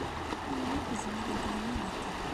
Yal yiwen yezmer ad d-yini akka.